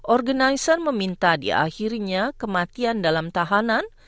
organizer meminta di akhirnya kematian dalam tahanan